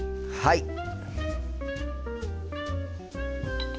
はい！